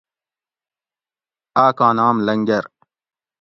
آکاں نام لنگر